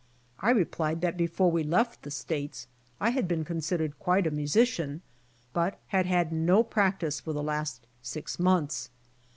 I replied that before we left the States I had been considered quite a musician, but had had no practice for the last six months.